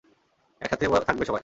একসাথে থাকবে সবাই!